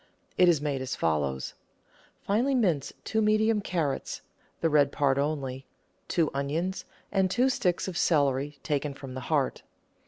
It is made as follows :— Finely mince two medium carrots (the red part only), two onions, and two sticks of celery taken from the heart.